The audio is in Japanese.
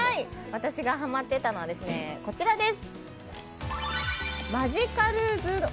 私がはまってたのはこちらです。